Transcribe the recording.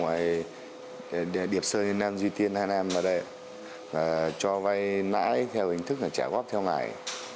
mỗi em đi từ điệp sơn duy tiên hà nam vào đây cho vay nãi theo hình thức trả góp theo ngài